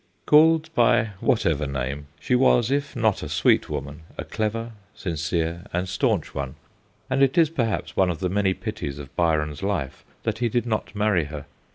Called by whatever name, she was, if not a sweet woman, a clever, sincere, and staunch one, and it is perhaps one of the many pities of Byron's life that he did not marry her.